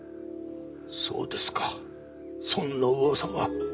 そうですかそんな噂が。